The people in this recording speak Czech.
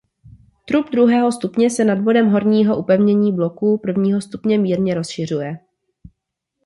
Trup druhého stupně se nad bodem horního upevnění bloků prvního stupně mírně rozšiřuje.